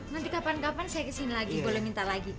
nanti kapan kapan saya kesini lagi boleh minta lagi